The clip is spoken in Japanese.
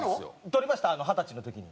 取りました二十歳の時に。